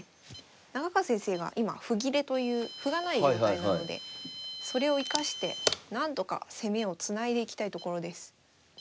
中川先生が今歩切れという歩がない状態なのでそれを生かしてなんとか攻めをつないでいきたいところです。